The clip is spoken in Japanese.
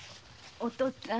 お父っつぁん！